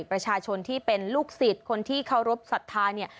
ประชาชนที่เป็นลูกศิษย์คนที่เคารพสัทธาเนี่ย